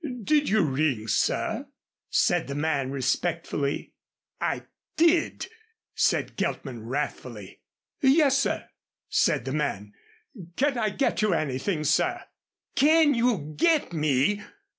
"Did you ring, sir?" said the man, respectfully. "I did," said Geltman, wrathfully. "Yes, sir," said the man. "Can I get you anything, sir?" "Can you get me